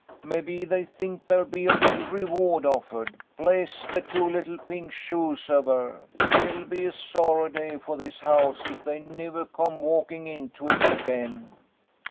Mebbe they think there'll be a big reward offered. Bless the two little pink shoes av her ! It'll be a sorry day for this house if they niver coom walking into it again."